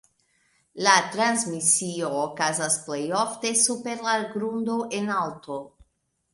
La transmisio okazas plej ofte super la grundo en alto.